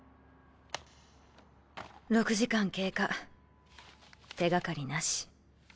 ６時間経過手掛かりなし。